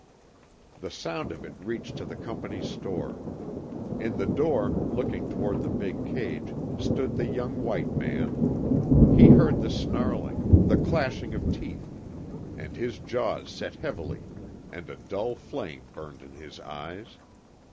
The sound of it reached to the Company's store. In the door, looking toward the big cage, stood the young white man. He heard the snarling, the clashing of teeth, and his jaws set heavily and a dull flame burned in his eyes.